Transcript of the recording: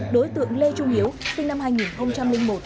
đối tượng lê trung hiếu sinh năm hai nghìn một